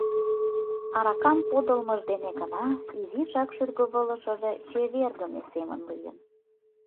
Аракам подылмыж дене гына изишак шӱргывылышыже чевергыме семын лийын.